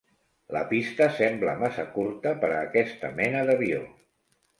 La pista sembla massa curta per a aquesta mena d'avió.